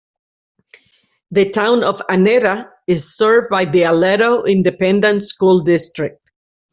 The Town of Annetta is served by the Aledo Independent School District.